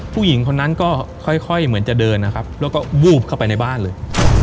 ผู้หญิงคนนั้นก็ค่อยเหมือนจะเดินนะครับแล้วก็วูบเข้าไปในบ้านเลย